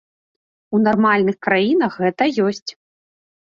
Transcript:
У нармальных краінах гэта ёсць.